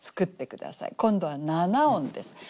今度は七音です。